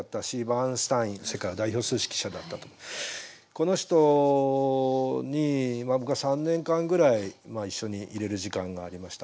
この人に僕は３年間ぐらい一緒にいれる時間がありました。